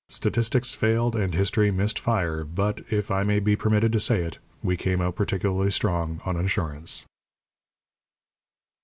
Statistics failed, and History missed fire, but, if I may be permitted to say it, we came out particularly strong on Insurance."